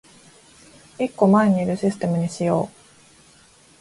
一個前にいるシステムにしよう